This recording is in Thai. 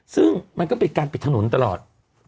ซึ่งมันก็เป็นการปิดถนนตลอด